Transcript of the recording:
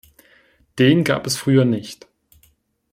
Den gab es früher nicht.